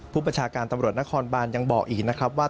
ประชาการตำรวจนครบานยังบอกอีกนะครับว่า